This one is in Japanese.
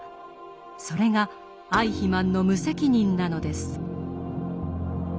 それがアイヒマンの無責任なのです。